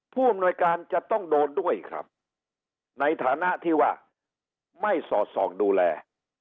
ผู้อำนวยการจะต้องโดนด้วยครับในฐานะที่ว่าไม่สอดส่องดูแล